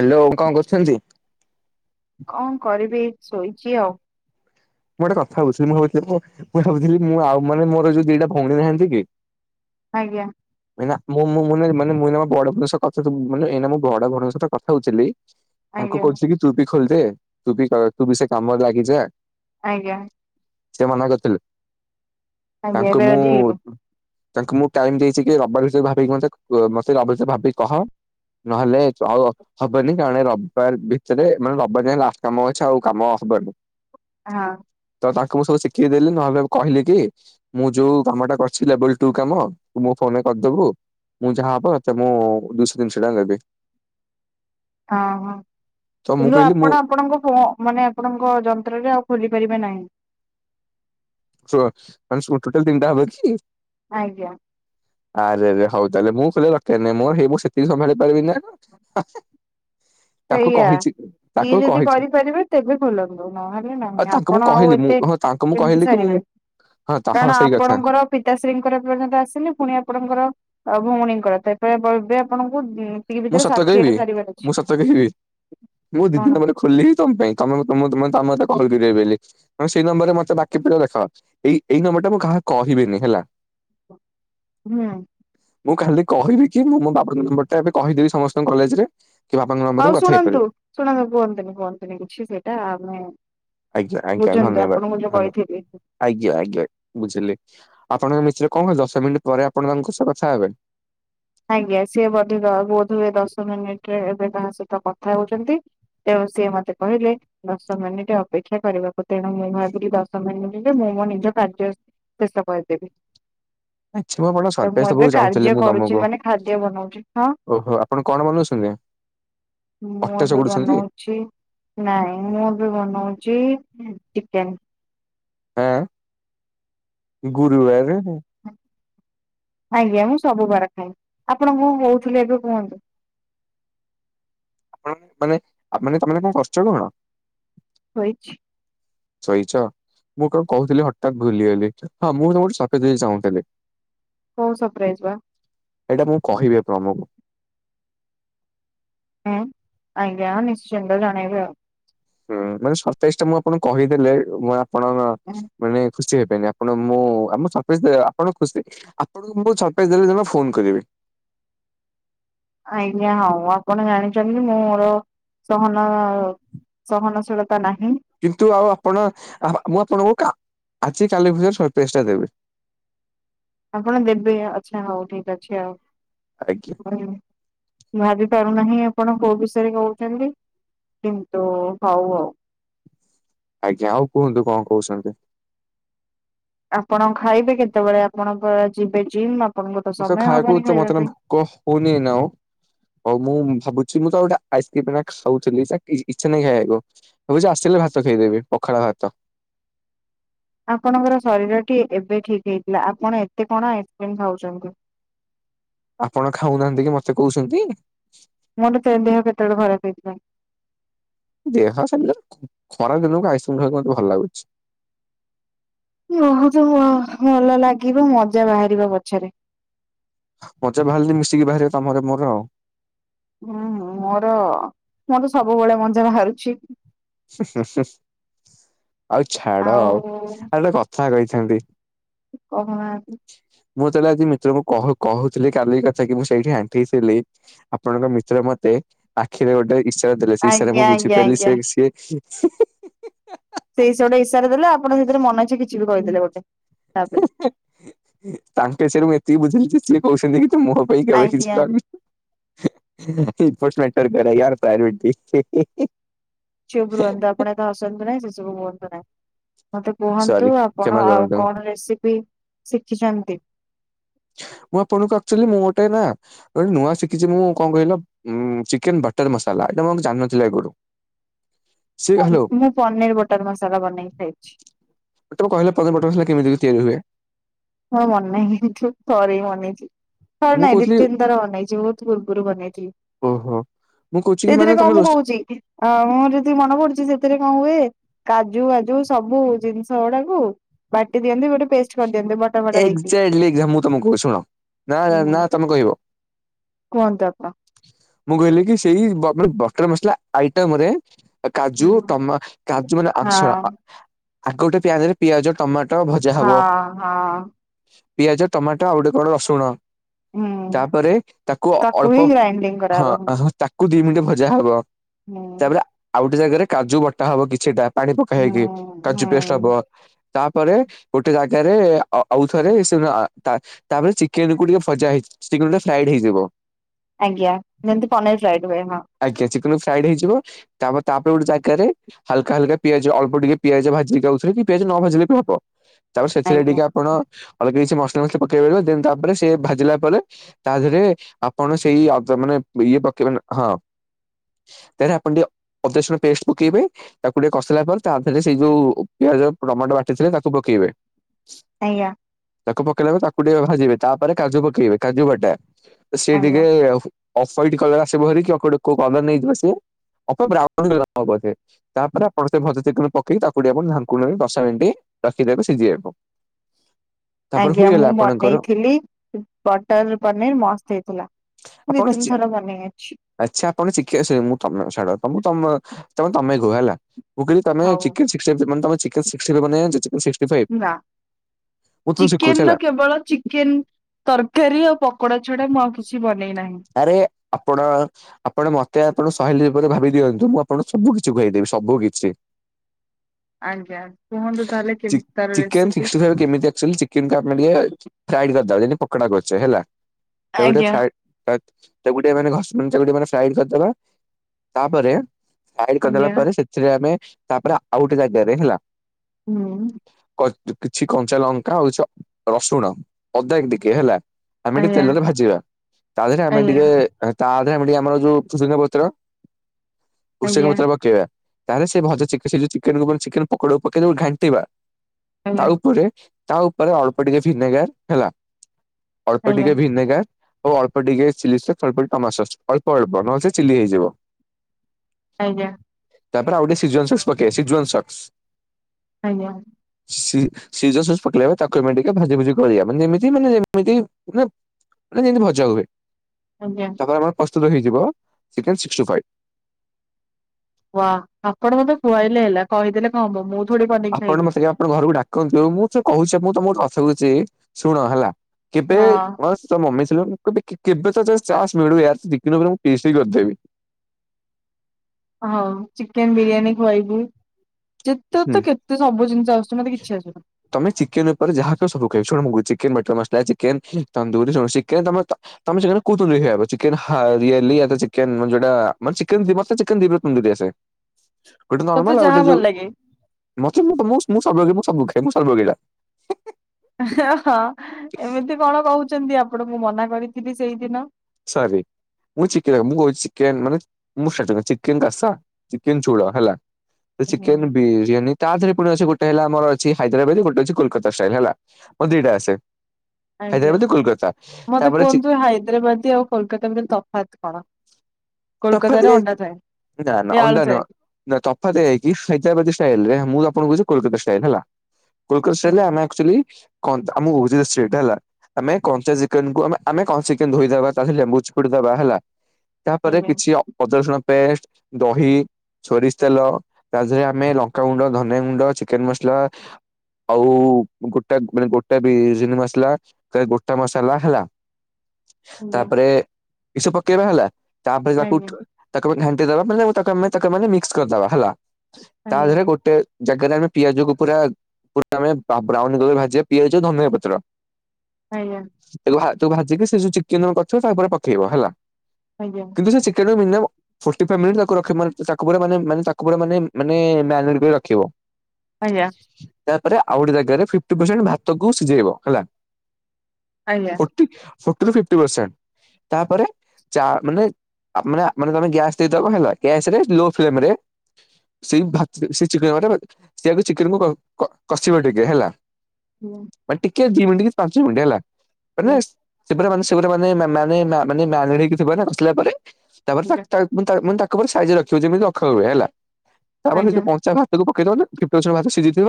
Hello କଣ କରୁଛନ୍ତି। କଣ କରିବି ଶୋଇଚି ଆଉ। ମୁଁ ଗୋଟେ କଥା ଭାବୁଥିଲି ମୁଁ ଭାବୁଥିଲି ମୁଁ ଭାବୁଥିଲି ମୁଁ ଆଉାନେ ମୋର ଯୋଉ ଦିଟା ଭଉଣୀ ନାହାନ୍ତି କି ଆଜ୍ଞା। ମୁଁଁ ମାନ ମୁଁ ବଡ଼ ଭଉଣୀଙ୍କ କଥା ମାନେ ଏଇ ମୁଁ ବଡ ଭଉଣଙ୍କ ସହିତ କଥା ହଉଥିଲି। ତାଙ୍କୁ ଆଜ୍ଞା କହିଚି କି ତୁବି ଖୋଲିଦେ ତୁବି ତୁ ବି ସେ କାମରେ ଲାଗିଯା। ଆଜ୍ଞା। ସେ ମନା କରିଥିଲେ ଆଜ୍ଞା ତାଙ୍କୁ ଏବେ ମୁଁ। ରାଜି ହେଇଗଲେ ତାଙ୍କୁ ମୁଁ ଟାଇମ ଦେଇଚି କି ରବିବାର କୁ ଭାବିକି ସେ ମେତେ କହ ରବିବାର ଭାବିକି କହ। ନହେଲେ ଆଉ ହବନି କାରଣ ରବିବାର ଭିତରେ ମାନେ ରବିବାର ଲାଷ୍ଟ କାମ ଅଛି ଆଉ କାମ ହବନି। ହଁ। ତାଙ୍କୁ ମୁଁ ସବୁ ଶିଖେଇଦଲି ନହେଲେ କହିଲି କି ମୁଁ ଯୋଉ କାମ ଟା କରିଛି ଲେବଲୁ ଟୁ କାମ ମୋ କରିଦବୁ ମୁଁ ଯାହା ହବ ତତେ ମୁଁ ଦୁଇଶହ ତିନିଶହ ଟଙ୍କା ଦେବି। ହ ହୋ ତ ମୁଁ କିନ୍ତୁ କହିଲି ମୁଁ ଆପଣ ଆପଣଙ୍କ ମାନେ ଆପଣଙ୍କ ଯନ୍ତ୍ରରେ ଆଉ କରିପାରିବେ ନାହିଁ । ସୁ ମାନେ ଟୋଟାଲ ତିନିଟା ହବ କି? ଆଜ୍ଞା। ଆରେରେ ହଉ ତାହେଲେ ମୁଁ ପିଲା ରଖେଇନି ମୋର ହେଇ ମୁଁ ସେତିକି ସମ୍ଭାଳି ପାରିବି ନା ଆଗ ସେଇଆ ଇଏ ଯଦି କହିଛି କରିପାରିବେ ତେବେ ଖୋଲନ୍ତୁ ନହେଲେ ଆଉ ନାହିଁ ତାଙ୍କୁ ମୁଁ ଆପଣ ଆଉ କହିଲି ଏତେ ମୁଁ ହଁ ତାଙ୍କୁ ମୁଁ କହିଲି କି ମୁଁ କରିପାରିବେ ହଁ ହଁ କାରଣ ସେଇ କଥା ଆପଣଙ୍କର ପିତାଶ୍ରୀଙ୍କର ଏ ପର୍ଯ୍ୟନ୍ତ ଆସିନି ପୁଣି ଆପଣଙ୍କର ଭଉଣୀ ପ ଏବେ ଆପଣଙ୍କୁ ଏ ମୁଁ ଭିତରେ ସତ କହିବି ଷାଠିଏଟା ସାରିବାର ଅଛି। ମୁଁ ସତ ମୁଁ ଦି କଣ ଦିନ ପରେ ଖୋଲିଲି ତମ ପାଇଁ ତ-ତମ-ତ- ତମ ସେଇ ନମ୍ବରରେ ମତେ ବାକି ପରେ ଦେଖ ଏ ଏଇ ନମ୍ବର ଟା ମୁଁ କାହାକୁ କହିବିନି ହେଲା। [inaudible] ହୁଁ। ମୁଁ ଖାଲି କହିବି କି ମୁଁ ମୋ ବାପ ନମ୍ବର ଟା ଏବେ କହିଦେବି ସମସ୍ତଙ୍କ କଲେଜରେ। ହଉ ଶୁଣନ୍ତୁ ଶୁଣନ୍ତୁ କୁହନ୍ତୁନି କୁହନ୍ତୁନି କିଛି ସେଇଟା ଆମେ ଆଜ୍ଞା ଆଜ୍ଞା ବୁଝନ୍ତୁ ଧନ୍ୟବାଦ୍ ଆପଣଙ୍କୁ ଯୋଉ କହିଥିଲି। ଧନ୍ୟବାଦ୍ ଆଜ୍ଞା ଆଜ୍ଞା ବୁଝିଲି ଆପଣ। ଆପଣ ମିଶେ କଣ କ ଦଶ ମିନିଟ ପରେ ଆପଣଙ୍କ ସହ କଥା ହେବେ। ଆଜ୍ଞା ସିଏ ବଧ ବୋଧ ଦଶ ମିନିଟରେ ଏବେ କାହା ସହିତ କଥା ହଉଛନ୍ତି। ତେ ସିଏ ମତେ କହିଲେ ଦଶ ମିନିଟ ଅପେକ୍ଷା କରିବାକୁ ତେଣୁ ମୁଁ ଭାବିଲି ଦଶ ମିନିଟରେ ମୁଁ ମୁଁ ନିଜ କାର୍ଯ୍ୟ ଶେଷ କରିଦେବି। ଆଜି ମୁଁ ତ ସପ୍ରାଇଜ୍ ଏବେ ଦେବାକୁ କାର୍ଯ୍ୟ ଚାହୁଁଥିଲି ମୁଁ କରୁଛି ତମକୁ ମାନେ ଖାଦ୍ୟ ବନଉଛି ହଁ। ଓହୋ ଆପଣ କଣ ବନୋଉଛନ୍ତୀ ଆଜ୍ଞା। ମୁଁ ଏବେ ବନାଉଛି ନାଇଁ ମୁଁ ଏବେ ବନଉଛି। ଚିକେନ୍ ହଁ ଗୁରୁବାର ରେ। ଆଜ୍ଞା ମୁଁ ସବୁ ବାର ଖାଏ ଆପଣ କଣ କହୁଥିଲେ ଏବେ କୁହନ୍ତୁ ଆପଣ ମାନେ ମାନେ ତମେ କଣ କରଛ କଣ ଶୋଇଛି। ଶୋଇଛ ମୁଁ କଣ କହୁଥିଲି ହଠାତ୍ ଭୁଲିଗଲି ହଁ ମୁଁ ତମକୁ ଗୋଟେ ସପ୍ରାଇଜ୍ ଦେବାକୁ ଚାହୁଁଥିଲି। କଣ ସପ୍ରାଇଜ ବା। ଏଇଟା ମୁଁ କହିବିନି ଆପଣଙ୍କୁ। ହଁ ଆଜ୍ଞା ନିଶ୍ଚିତ ଜଣେଇବେ ଆଉ। ହୁଁ ମାନେ ସପ୍ରାଇଜ ଟା ମୁଁ ଆପଣଙ୍କୁ କହିଦେଲେ ମୁଁ ଆପଣଙ୍କ ଆଉ। ମାନେ ଖୁସି ହେବେନି ଆପଣ ମୁଁ ଆମ ସପ୍ରାଇଜ୍ ଆପଣ ଖୁସି ଆପଣଙ୍କୁ ମୁ ସରପ୍ରାଇଜ ଦେବି ଯେବେ ଫୋନ କରିବି। [inaudible] ଆଜ୍ଞା ହଉ ଆପଣ ଜାଣିଛନ୍ତି ମୁଁ ମୋର ସହନ ସହନଶୀଳତା ନାହିଁ। କିନ୍ତୁ ଆଉ ଆପଣ ମୁଁ ଆପଣଙ୍କୁ ଆଜି କାଲି ଭିତରେ ସରପ୍ରାଇଜ୍ ଟା ଦେବି। [inaudible] ଆପଣ ଦେବେ ଆଛା ହଉ ଠିକ ଅଛି ଆଜ୍ଞା ଆଉ ମୁଁ ଆଜି ଠୁ ଜାଣିପାରୁନାହିଁ ଆପଣ କୋଉ ବିଷୟରେ କହୁଛନ୍ତି କିନ୍ତୁ ହଉ ଆଉ। ଆଜ୍ଞା ଆଉ କୁହନ୍ତୁ କଣ କହୁଛନ୍ତି। ଆପଣ ଖାଇବେ କେତେବେଳେ ଆପଣ ପା ଯିବେ ଜିମ୍ ଆ ମ ସବୁ ଖାଇବାକୁ ତ ମତେ ଭୋକ ହଉନି ଏଇନେ ଆଉ ଆଉ ମୁଁ ଭାବୁଚ୍ ମୁଁ ତ ଗୋଟ ଆଇସ୍କ୍ରିମ ଖାଉଥିଲି ଇଚ୍ଛା ନାଇଁ ଖାଇବାକୁ ଅବଶ୍ୟ ଭାବୁଛି ଆସିଲେ ଭାତ ଖାଇଦେବି ପଖାଳ‌ଭାତ ଭାତ। ଆପଣଙ୍କର ଶରୀର ଟି ଏବେ ଠିକ ହେଇଥିଲା ଆପଣ ଏତେ କଣ ଆଇସ୍କ୍ରିମ ଖାଉଛନ୍ତି। ଆପଣ ଖାଉନାହାନ୍ତି କି ମତେ କହୁଛନ୍ତି। ମୋର ତେ ଦେହ କେତେବେଳେ ଖରାପ ହେଇଥିଲା? ଦେହ [unintelligible] ଖରା ଦିନକୁ ଆଇସକ୍ରିମ ଖାଇବାକୁ ମୋତେ ଭଲ ଲାଗୁଚି। [unintelligible] ଭଲ ଲାଗିବ ମଜା ବାହାରିବ ପଛରେ। ମଜା ବାହାରିଲି ମିଶିକି ବାହାରିବା ତମରେ ମୋର ଆଉ। ହୁଁ ହୁଁ ମୋର ମୋର ସବୁବେଳେ ମଜା ବାହାରୁଚି। ହୁଁ ହୁଁ ହୁଁ ଆଉ ଛାଡ ଆଉ ଆ ଗୋଟେ କଥା କଇ ଥାନ୍ତି। କହନା ମୁଁ ତାହେଲେ ଆଜି ମିତ୍ରଙ୍କୁ କହୁ-କହୁଥିଲି କାଲି କଥା କି ମୁଁ ସେଇଠି ଆଣ୍ଠେଇଥିଲି ଆପଣଙ୍କ ମିତ୍ର ମତେ ଆଖିରେ ଗୋଟେ ଇଶାରା ଦେଲେ ସେ ଇଶାରା ଆଜ୍ଞା ମୁଁ ଆଜ୍ଞା ବୁଝିପାରିଲି ଆଜ୍ଞା ସେ-ସିଏ ହୁଁ ହୁଁ ସେଇ ସେଗୋଟେ ଇଶାରା ଦେଲେ ଆପଣ ସେଥିରେ ମନଇଛା କିଛି ବି ହୁଁ କହିଦେଲେ ଗୋଟେ ତାପରେ ତାଙ୍କେ ସେଇଠୁ ମୁଁ ଏତିକି ବୁଝିଲି ଯେ ସିଏ କହୁଛନ୍ତି କି ମୋ ପାଇଁ କେବେ କିଛି ଆଜ୍ଞା କର୍ ନି । [unintelligible] ବେରାୟାର ପ୍ରାଇରୁଟି ହିଁ ହିଁ ହିଁ । ଚୁପ୍ ରୁହନ୍ତୁ ଆପଣ ଏତେ ହସନ୍ତୁ ନାହିଁ ସେସବୁ କୁଅନ୍ତୁ ନାଇଁ । ମତେ ସରି କୁହନ୍ତୁ ଆପଣ କ୍ଷମା ଆଉ କରନ୍ତୁ। କଣ ରେସିପି ଶିଖିଛନ୍ତି? ମୁଁ ଆପଣଙ୍କୁ ଆକ୍ଚୁଆଲି ମୁଁ ଗୋଟେ ନା ଗୋଟେ ନୂଆ ଶିକିଚି ମୁଁ କଣ କହିଲ ଉ ଚିକେନ୍ ବଟର୍ ମସାଲା। ଏଟା ମୁଁ ଜାଣିନଥିଲି ଆଗୁରୁ। ମୁଁ ପନିର୍ ବଟର୍ ମସଲା ବନେଇକି ଖାଇଛି। ତମେ କହିଲ ପନିର୍ ବଟର୍ ମସାଲା କେମିତି ତିଆରି ହୁଏ? ମୋର ମନେନାହିଁ ଥରେ ବନେଇଥିଲି। ହ ମୁଁ ନାଇଁ ଦି, କହୁଥିଲି ତିନ୍ ଥର ବନେଇଚି ମୁଁ ବହୁତ ପୂର୍ବରୁ ବନେଇଥିଲି। ଓହୋ। ମୁଁ କହୁଛି କି ସେଥିରେ ମାନେ ତମେ କଣ ମୁଁ ରୋଷେ କହୁଚି ମୋର ଯେତିକି ମନେ ପଡୁଚି ସେଥିରେ କଣ ହୁଏ କାଜୁ ବାଜୁ ସବୁ ଜିନିଷ ଗୁଡାକୁ ବାଟି ଦିଅନ୍ତି ଗୋଟେ ପେଷ୍ଟ କରିଦିଅନ୍ତି ବଟ୍ ଏକ୍ଜାଟଲି ମୁଁ ତମକୁ କହୁଚି ଶୁଣ ।ନା ହୁଁ ନା ତମେ କଇବ? କୁହନ୍ତୁ ଆପଣ। ମୁଁ କହିଲି କି ସେଇ ବ ମାନେ ବ ଟର ମସଲା ଆଇଟମ ରେ କାଜୁ ହୁଁ ଟମା କାଜୁ ମାନେ ଆବ୍ ସୋ ହଁ ଆଗ ଗୋଟେ ପିଆନରେ ପିଆଜ ଟମାଟୋ ଭଜା ହଁ ହବ। ହଁ। ପିଆଜ ଟମାଟୋ ଆଉ ଗୋଟେ କଣ ରସୁଣ। ହୁଁ ତାପରେ ତାକୁ ହିଁ ଅଳ୍ପ ଗ୍ରାଇଣ୍ଡିଙ୍ଗ କରାହବ ହଁ ତାକୁ ଦି ମିନିଟ ଭଜା ହବ। ହୁଁ। ତାପରେ ଆଉ ଗୋଟେ ଜାଗାରେ କାଜୁ ବଟା ହବ କିଛିଟା ପାଣି ପକା ହୁଁ ହେଇକି କାଜୁ ପେଷ୍ଟ ହବ। ହୁଁ ତାପରେ ଗୋଟେ ଜା ଗାରେ ଆ-ଆଉଥରେ ଶୁଣ ତା-ତାପରେ ଚିକେନ୍ କୁ ଟିକେ ଭଜା ହେଇେ ଚିକେନ୍ କୁ ଟିକେ ଫ୍ରାଏଡ ହେଇଯିବ। ଆଜ୍ଞା ଯେମତି ପନିର୍ ଫ୍ରାଇଡ୍ ହୁଏ ହଁ। ଆଜ୍ଞା ଚିକେନକୁ ଫ୍ରାଇଡ ହେଇଯିବ ତାପରେ ତାପରେ ଗୋଟେ ଜାଗାରେ ହାଲକା ହାଲକା ପିଆଜ ଅଳ୍ପ ଟିକେ ପିଆଜ ଭାଜି କି ଆଉଥରେ କି ପିଆଜ ନ ଭାଜିଲେ ବି ହବ ତାପରେ ସେଥିରେ ଆଜ୍ଞା ଟିକେ ଆପଣ ଅଲଗା କିଛି ମସ ଲା ମସଲି ପକେଇ‌ପାରିବ ଦେନ ତାପରେ ସେ ଭାଜିଲା ପରେ ତା ଦେହରେ ଆପଣ ସେଇ ଅ-ମାନେ ଇଏ ପ କେଇବନ ହଁ। ତାହଲେ ଆପଣ ଟିକେ ଅଦା ସୁଣ ପେଷ୍ଟ ପକେଇବେ ତାକୁ ଟିକେ କଷିଲା ପରେ ତା ଧୀଅରେ ସେଇ ଯୋଉ ପିଆଜ ଟମାଟୋ ବାଟିଥିଲେ ତାକୁ ପକେଇବେ ଆଜ୍ଞା। ତାକୁ ପକେଇଲା ପରେ ତାକୁ ଟିକେ ଭାଜିବେ । ତା ପରେ କାଜୁ ପକେଇବେେ । କାଜୁ ବଟା ସିଏ ଆଜ୍ଞା ଟିକେ ଅଫାଇଟ୍ କଲର ଆସିବ ହେରିକି । [unintelligible] କୋଉ କାଲର ନେଇକି ଆସେ? ଅଳ୍ପ ବ୍ରାଉନ କଲର୍ [unintelligible] ବୋଧେ ତାପରେ ଆପଣ ଭଜା ଚିକେନ ପକେଇ ତାକୁ ଟିକେ ଢାଙ୍କୁଣି ଦେଇ ଦଶ ମିନିଟ ରଖିଦେବେ ସିଜି ବାକୁ। ଆଜ୍ଞା । ମୁଁ ବନେଇଥିଲି ବଟର ପନିର ମସ୍ତ ହେଇଥିଲା। ମୁଁ ଦି ଆପଣ ତିନି ଇଚ୍ଛା ଥର ବନେଇ ଅଛି ଆଚ୍ଛା ଆପଣ ଚିକେନ ଏ ସେ ମୁଁ ତମେ ଛାଡ। ତମକୁ-ତମେ-ତମେ-ତମେ କୁହ ହେଲା। ମୁଁ କହିଲି ତମେ ହଉ ଚିକେନ ସିକ୍ସଟି ଫାଇବ୍ ମାନେ ତମେ ଚିକେନ ସିକ୍ସଟି ଫାଇଭ ବନେଇ ଜାଣିଛ? ଚିକେନ ସିକ୍ସ ନା। ଶିଖୁଛି ଚିକେନ ର ହେଲା କେବଳ ଚିକେନ ତରକାରୀ ଆଉ ପ କୋଡ଼ା ଛଡ଼ା ମୋ ଆଉ କିଛି ବନେଇ ନାହିଁ। ଆରେ, ଆପଣ, ଆପଣ ମତେ ଆପଣ ସହିଲି ରୂପରେ ଭାବି ଦିଅନ୍ତୁ। ମୁଁ ଆପଣଙ୍କୁ ସବୁ କିଛି ଖୁଆଇ ଦେବି ସବୁ ବୁ କିଛି। ଆଜ୍ଞା କୁହନ୍ତୁ ତାହେଲେ ଚି କେମିତି ତାର ଚିକେନ୍ ରେସିପି? ସିକ୍ସଟି ଫାଇଭ କେମିତିଆ ଆକ୍ଚୁଆଲି ଚିକେନ ଟା ଆପଣ ଟିକେ ଫ୍ରାଇଡ୍ କରିଦବା ଯେନ୍ତି ପକୋଡା କରୁଛେ ହେଲା। ତାକୁ ଟିକେ ଆଜ୍ଞା ଫ୍ରାଏଡ ତା ତାକୁ ଟିକେ ମାନେ ଘର୍ସ ତାକୁ ଟିକେ ମାନେ ଫ୍ରାଏଡ ସାଇଡ କରିଦବା। ତାପରେ ସାଇଡ କରିଦେଲା ଆଜ୍ଞା ପରେ, ସେଥିରେ ଆମେ ତାପରେ ଆଉ ଗୋଟେ ଜାଗାରେ ହେଲା ହୁଁ । କଚ୍ କିଛି କଞ୍ଚା ଲଙ୍କା ଆଉ କିଛି ରସୁଣ ଅଦା ଟିକେ ହେଲା ଆମେ ଟିକେ ଆଜ୍ଞା ତେଲରେ ଭାଜିବା। ତା ଦେହରେ ଆମେ ଆଜ୍ଞା ଟିକେ ତାଧେରେ ଆମେ ଟିକେ ଆମର ଯୋଉ ଭୃସଙ୍ଗ ପତ୍ର ଭୃସଙ୍ଗ ଆଜ୍ଞା ପତ୍ର ପକେଇବା। ତାହେଲେ ସେ ଭଜା ଚି ସେ ଯୋଉ ଚିକେନକୁ ଚିକେନ ପକୋଡ଼ାକୁ ପକେଇଦବ ଘାଣ୍ଟିବା। ତା ଆଜ୍ଞା ଉପରେ ତା ଉପରେ ଅଳ୍ପ ଟିକେ ଭିନେଗାର ହେଲା ଅଳ୍ପ ଆଜ୍ଞା ଟିକେ ଭିନେଗାର ଆଉ ଅଳ୍ପ ଟିକେ ଚିଲ୍ଲି ସସ୍, ଅଳ୍ପ ଟିକେ ଟମାଟ ସସ ଅଳ୍ପ ଅଳ୍ପ ନଚେତ୍ ଚିଲ୍ଳି ହେଇଯିବ। ଆଜ୍ଞା। ତାପରେ ଆଉ ଟିକେ ସିଜୱନ୍ ସକ୍ସ ପକେଇବେ ସିଜୱନ୍ ସକ୍ସ। ଆଜ୍ଞା। ସି ସିଯୁଆ ସସ ପକେଇଲା ବେଳେ ତାକୁ ଆମେ ଟିକେ ଭାଜି ଭୁଜି ଗୋଳେଇଆ ମାନେ ଏମିତି ମାନେ ଯେମିତି ମାନେ ନା ଯେମିତି ଭଜା ହୁଏ। ଆଜ୍ଞା ତାପରେ ଆମର ପ ପ୍ରସ୍ତୁତ ହେଇଯିବ ଚିକେନ ସିକ୍ସଟି ଫାଇଭ। ୱା। ଆପଣ ମତେ ଖୁଆଇଲେ ହେଲା, କହିଦେଲେ କଣ ହବ ମୁଁ ଥୋଡି ବନେଇକି ଆପଣ ଖାଇବି। ମତେ ଆପଣଙ୍କ ଘରକୁ ଡାକନ୍ତୁ, ମୁଁ ତ କହୁଛି ମୁଁ ତମକୁ କଥା କହୁଛି ଶୁଣ ହେଲା କେବେ ହଁ ହ ତ ମମି ଥିଲେ ହବ କେ-କେବେ ତ ଚାନ୍ସ ମିଳୁ ୟାର, ଚିକେନ ଉପରେ ମୁଁ ପି ଏଚ ଡି କରିଦେବି। ହଁ ଚିକେନ ବିରିୟାନୀ ଖୁଆଇବୁ ଯେତେ ହୁଁ ତ କେତେ ସବୁ ଜିନିଷ ଆସୁଛି ମତେ କିଛି ଆସୁନି । ତମେ ଚିକେନ ଉପରେ ଯାହା କହିବ ସବୁ ଖୁଆଇବି। ଶୁଣ ମୁଁ କହୁଚି ଚିକେନ ମ୍ୟାଟର ତା ଚିକେନ ତନ୍ଦୁରି ଚିକେନ ତ ତମେ ତମେ କୋଉଥିରୁ ନେଇ ଖାଇବ ଚିକେନ ରିଆଲି ଚିକେନ ମୋର ଯୋଉଟା ମାନେ ଚିକେନ ଚିକେନ [unintelligible] ଗୋଟେ ତତେ ନର୍ମାଲ ଆଉ ଯାହା ଯୋଉ ଭଲ ଲାଗେ ମତେ ମୁଁ ମୁଁ ସବୁ ଖାଏ ମୁଁ ସର୍ବ ଗିଳା। ହଁ ହଁ ଏମିତି କଣ କହୁଛନ୍ତି ଆପଣ। ମୁଁ ମନା କରିଥିଲି ସେଇଦିନ ସରି। ମୁଁ ଚିକେନ ମୁଁ କଉଛି ଚିକେନ ମାନେ ମୁଁ ଖାଇଦେବି ଚିକେନ କଷା, ଚିକେନ ଝୋଳ ହେଲା। ଚିକେନ ବିରିୟାନୀ ତା ଦେରେ ପୁଣି ଅଛି, ଗୋଟେ ହେଲା ଆମର ଅଛି ହାଇଦ୍ରାବାଦି ଗୋଟେ ଅଛି କୋଲକାତା ଷ୍ଟାଇଲ ହେଲା। ମୋର ଦିଟା ଆସେ। ଆଜ୍ଞା। ହାଇଦ୍ରାବାଦୀ କୋଲକାତା ମତେ ତାପରେ ଚି କୁହନ୍ତୁ ହାଇଦ୍ରାବାଦି ଆଉ କୋଲକାତା ଭିତରେ ତଫାତ କଣ? ତଫାତ କୋଲକାତାରେ ଏହା ଅଣ୍ଡା କି ଥାଏ ନା ନା ଏ ଆଳୁ ଅଣ୍ଡା ଥାଏ ନୁହଁ ନା ତଫାତ୍ ଏହା କି ହାଇଦ୍ରାବାଦୀ ଷ୍ଟାଇଲରେ ମୁଁ ଆପଣଙ୍କୁ କହୁଛି କୋଲକାତା ଷ୍ଟାଇଲ୍ ରେ ହେଲା। କୋଲକତା ଷ୍ଟାଇଲ ରେ ଆମେ ଆଜ୍ଞା ଆକ୍ଚୁଆଲି କନ ତା ଆମକୁ ବୁଝାଇଲେ ସେଇଟା ହେଲା। ଆମେ କଞ୍ଚା ଚିକେନକୁ ଆମେ ଆମେ କଞ୍ଚା ଚିକେନ ଧୋଇଦବା, ତା ଧେରେ ଲେମ୍ବୁ ଚିପୁଡ଼ି ଦବା ହେଲା ତାପରେ କିଛି ଅଦା ରସୁଣ ପେଷ୍ଟ, ଦହି ସୋରିଷ ତେଲ ତା ଦେହରେ ଆମେ ଲଙ୍କାଗୁଣ୍ଡ, ଧନିଆ ଗୁଣ୍ଡ, ଚିକେନ ମସଲା ଆଉ ଗୋଟା ମାନେ ଗୋଟା ବିରିନ ମସଲା ଗୋଟା ମସଲା, ହେଲା ଆଜ୍ଞା ତାପରେ ଏସବୁ ପକେଇବା ହେଲା ତାପରେ ତାକୁ ଆଜ୍ଞା ତାକୁ ଆମେ ଘା ଘାଣ୍ଟି ଦେବା ମାନେ ତାକୁ ଆମେ ତାକୁ ଆମେ ମିକ୍ସ କରିଦବା ହେଲା। ତା ଆଜ୍ଞା ଦେହରେ ଗୋଟେ ଜାଗାରେ ଆମେ ପିଆଜକୁ ପୁରା ପୁରା ଆମେ ବ୍ରାଉନ ବ୍ରାଉନ କଲର୍ ଭାଜିବା। ପିଆଜ ଧନିଆ ପତ୍ର ଆଜ୍ଞା ତାକୁ ତାକୁ ଭାଜିକି ସେ ଯୋଉ ଚିକେନ କରିଥିବ ତାପରେ ପକେଇବ ହେଲା। ଆଜ୍ଞା କିନ୍ତୁ ସେ chicken minimum forty five minute ତାକୁ ପୁରା ମାନେ - ମାନେ -ତାକୁ ପୁରା ମାନେ - ମାନେ ମେରିନେଟ କରି ରଖିବ । ଆଜ୍ଞା । ଆଉ ଗୋଟେ ଜାଗା ରେ ଫିଫ୍ଟି ପର୍ସେଣ୍ଟ ଭାତ କୁ ସିଝେଇବ ହେଲା, ଆଜ୍ଞା ଫୋର୍ଟୀ ଫର୍ଟୀ ରୁ ଫିପ୍ଟି ପର୍ସେଣ୍ଟ ତାପରେ ମାନେ ମାନେ ମାନେ ତମେ ଗ୍ୟାସ ଦେଇଦବ ହେଲା ଗ୍ୟାସ ରେ ଲୋ ଫ୍ଲେମ ରେ ସେଇ ଭାତ ସେ ଚିକେନ ଭାତ ସେଇ ଚିକେନକୁ - କ - କଷିବ ଟିକେ ହେଲା । ହୁଁ । ଦି ମିନିଟ କି ପାଞ୍ଚ ମିିନଟ ହେଲା ମାନେ ସେ ପୁରା ାନୋନେ ମାନେ ମାନକି ଥିବ ନା ବସିଲା ପରେ ତାପରେ ଆଜ୍ଞା ତା [unintelligible] ତାପରେ ସାଇଜ ରେ ରଖିବ ଯେମିତି ରଖା ହୁଏ ହେଲା ଆଜ୍ଞା ଆଜ୍ଞା ତାପରେ ସେ ଆଜ୍ଞା କଞ୍ଚା ଭାତକୁ ଫିପ୍ଟି ପରର୍ସେଣ୍ଟ ଭାତ ସିଝିଥିବ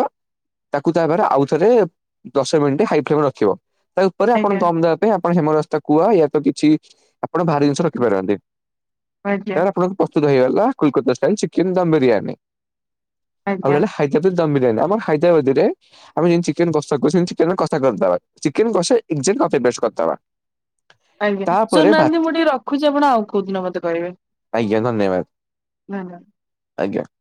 ତାକୁ ତାପରେ ଆଉଥରେ ଦଶ ମିନିଟ୍ ହାଇ ଫ୍ଲେମ ରଖିବ। ତା ଉପରେ ଆପଣ ଆଜ୍ଞା ଦମ ଦେବା ପାଇଁ ଆପଣ ହେମ ରାସ୍ତା କୁହା ୟାତ କିଛି ଆପଣ ଭାରି ଜିନିଷ ରଖିପାରନ୍ତି ଆଜ୍ଞା ତାପରେ ପ୍ରସ୍ତୁତ ହେଇଗଲା କୋଲକାତା ଷ୍ଟାଇଲ ଚିକେନ ଦମ୍ ବିରିୟାନୀ। ଆଜ୍ଞା ଆଉରହିଲା ହାଇଦ୍ରବାାଦ୍ [unintelligible] ଦମ୍ ବିରୀୟାନୀ ହାଇଦ୍ରାବାଦୀ ରେ ଆମେ ଯେମିତି ଚିକେନ କଷା କରୁ ଚିକେନ କଷା କରିଦେବା ଚିକେନ କଷା ଏ କପି ପେଷ୍ଟ କରିଦୋବା। ଆଜ୍ଞା ସୁୁନାହାନ୍ତି ମୁଁ ଟିକେ ରଖୁଛି ଆପଣ ଆଉ କୋଉ ଦିନ ମତେ କରିବେ । ଆଜ୍ଞ ଧନ୍ୟବାଦ । [inaudible] ଆଜ୍ଞା ।